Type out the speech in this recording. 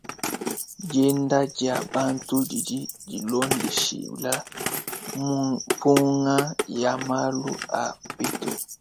Dienda dia bantu didi dilondeshila mpunga ya malu a mpetu.